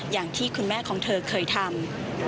อย่างที่คุณแม่ของเธอเคยทำ